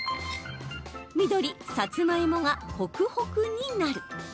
緑・さつまいもがホクホクになる。